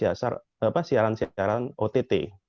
misalnya netflix sudah masuk dalam siaran ott